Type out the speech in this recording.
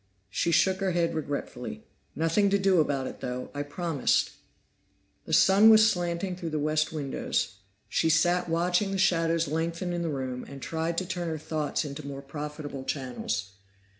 She shook her head regretfully. "Nothing to do about it, though. I promised." The sun was slanting through the west windows; she sat watching the shadows lengthen in the room, and tried to turn her thoughts into more profitable channels.